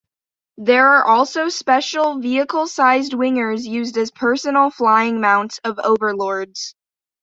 There are also special, vehicle-sized Wingers used as the personal flying mounts of Overlords.